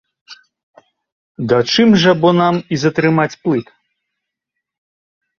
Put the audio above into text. Да чым жа бо нам і затрымаць плыт?